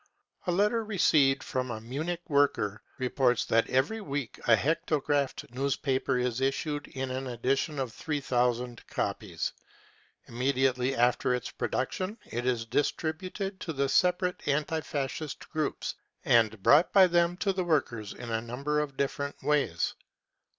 A letter received from a Munich worker reports that every week a hectographed newspaper is issued in an edition of 3,000 copies. Immediately after its production it is distributed to the separate anti Fascist groups and brought by them to the workers in a number of different ways.